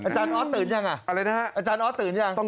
อาจารย์อ๊อ๊อตตื่นยังอ่ะอะไรนะฮะอาจารย์อ๊อ๊อตตื่นยัง